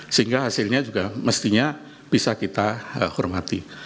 sehingga hasilnya juga mestinya bisa kita hormati